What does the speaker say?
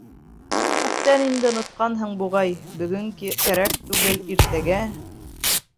Күптән инде онотҡанһың, буғай, Бөгөн кәрәк, түгел — иртәгә.